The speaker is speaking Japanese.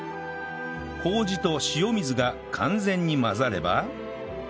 麹と塩水が完全に混ざれば